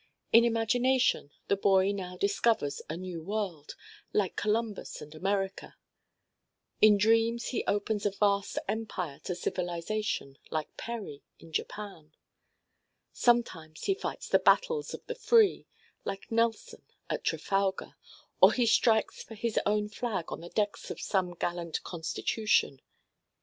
In imagination the boy now discovers a new world, like Columbus and America; in dreams he opens a vast empire to civilization, like Perry in Japan; sometimes he fights the battles of the free, like Nelson at Trafalgar; or he strikes for his own flag on the decks of some gallant Constitution.